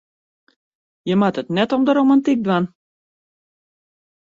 Je moatte it net om de romantyk dwaan.